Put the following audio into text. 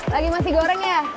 lagi masih goreng ya